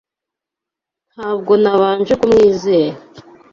Ntabwo nabanje kumwizera